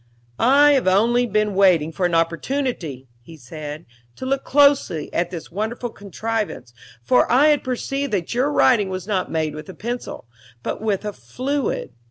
"I have only been waiting for an opportunity," he said, "to look closely at this wonderful contrivance, for I had perceived that your writing was not made with a pencil, but with a fluid.